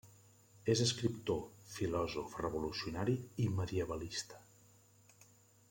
És escriptor, filòsof revolucionari i medievalista.